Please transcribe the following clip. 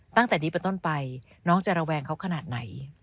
ตั้งแต่นี้เป็นต้นไปน้องจะระแวงเขาขนาดไหน